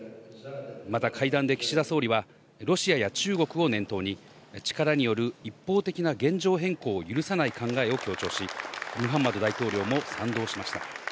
また会談で岸田総理は、ロシアや中国を念頭に力による一方的な現状変更を許さない考えを強調し、ムハンマド大統領も賛同しました。